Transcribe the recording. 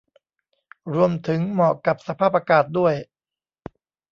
รวมถึงเหมาะกับสภาพอากาศด้วย